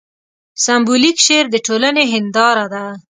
سېمبولیک شعر د ټولنې هینداره ده.